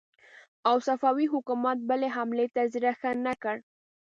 او صفوي حکومت بلې حملې ته زړه ښه نه کړ.